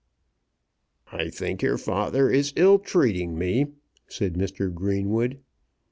"I think your father is ill treating me," said Mr. Greenwood.